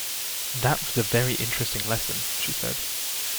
"That was a very interesting lesson," she said.